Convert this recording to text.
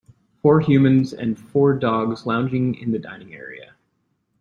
Four humans and four dogs lounging in the dining area